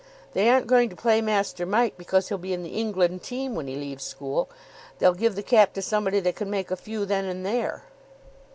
They aren't going to play Master Mike because he'll be in the England team when he leaves school. They'll give the cap to somebody that can make a few then and there."